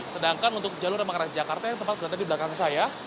sedangkan untuk jalur yang mengarah jakarta yang tempat berada di belakang saya